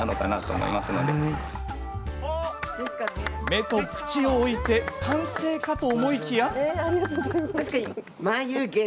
目と口を置いて完成かと思いきや。